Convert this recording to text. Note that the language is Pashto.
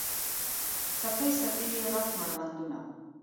څپې، څپې یې، غټ مړوندونه